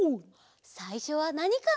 さいしょはなにかな？